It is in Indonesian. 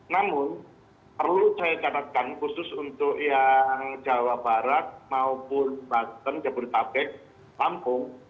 namun perlu saya catatkan khusus untuk yang jawa barat maupun banten jabodetabek lampung